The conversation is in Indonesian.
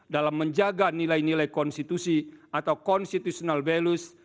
dalam menjaga nilai nilai konstitusi atau constitutional values